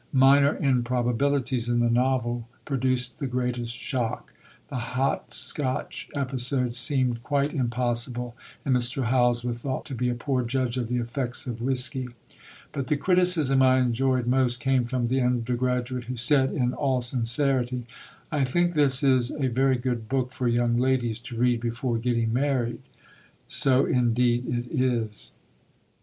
Minor improbabilities in the novel produced the greatest shock the hot scotch episode seemed quite impossible, and Mr. Howells was thought to be a poor judge of the effects of whiskey. But the criticism I enjoyed most came from the undergraduate who said in all sincerity, "I think this is a very good book for young ladies to read before getting married." So indeed it is.